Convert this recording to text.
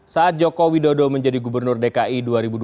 saat jokowi dodo menjadi gubernur dki dua ribu dua belas